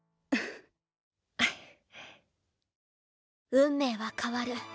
運命は変わる。